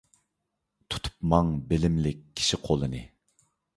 تۇتۇپ ماڭ بىلىملىك كىشى قولىنى.